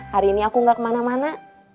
hari ini aku gak kemana mana